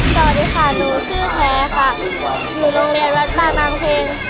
สวัสดีค่ะหนูชื่อแพ้ค่ะอยู่โรงเรียนวัดบางนางเพลง